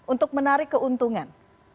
untuk menarik keuntungan